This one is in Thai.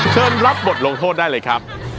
รับบทลงโทษได้เลยครับ